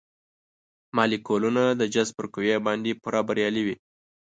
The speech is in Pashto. مالیکولونه د جذب پر قوې باندې پوره بریالي وي.